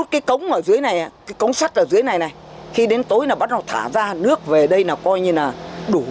khi đến tối bắt đầu thả ra nước về đây là coi như là đủ thứ màu